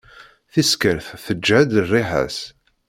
Tiskert teǧhed rriḥa-s.